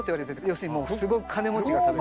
要するにすごく金持ちが食べる。